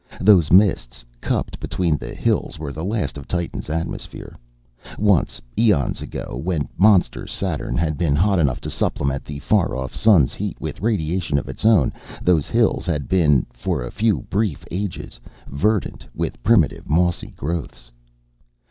Those mists, cupped between the hills, were the last of Titan's atmosphere. Once, eons ago, when monster Saturn had been hot enough to supplement the far off sun's heat with radiation of its own, those hills had been, for a few brief ages, verdant with primitive, mossy growths.